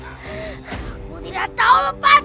aku tidak tahu